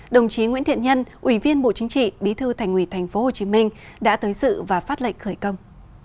đồng chí nguyễn thiện nhân ủy viên bộ chính trị bí thư thành ủy tp hcm đã tới sự và phát lệnh khởi công